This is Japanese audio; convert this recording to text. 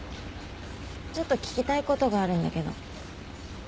ちょっと聞きたいことがあるんだけど。